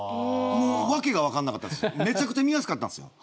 もう訳が分かんなかったっす。